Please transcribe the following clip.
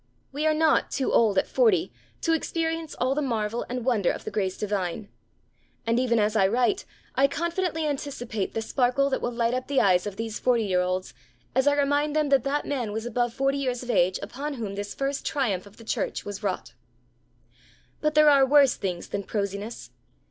We are not 'too old at forty' to experience all the marvel and the wonder of the grace divine. And, even as I write, I confidently anticipate the sparkle that will light up the eyes of these forty year olds as I remind them that that man was above forty years of age upon whom this first triumph of the Church was wrought. But there are worse things than prosiness.